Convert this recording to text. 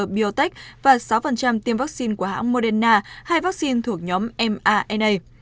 pfizer biontech và sáu tiêm vaccine của hãng moderna hai vaccine thuộc nhóm mrna